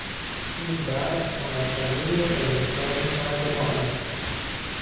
این برف مقدمهی زمستان سرد ما است.